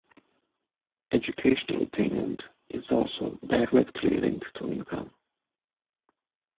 Educational attainment is also directly linked to income.